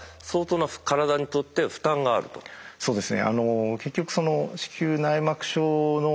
そうですね。